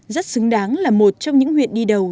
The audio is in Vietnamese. rất xứng đáng là một trong những huyện đi đầu